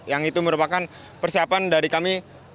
yang itu merupakan persiapan dari kami